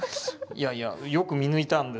いやいやよく見抜いたんですね。